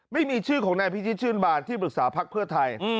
ไม่มีชื่อของนายพิชิตชื่นบานที่ปรึกษาพักเพื่อไทย